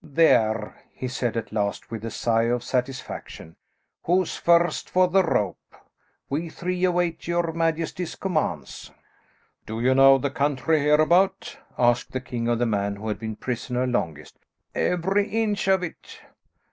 "There," he said at last, with a sigh of satisfaction, "who's first for the rope. We three await your majesty's commands." "Do you know the country hereabout?" asked the king of the man who had been prisoner longest. "Every inch of it."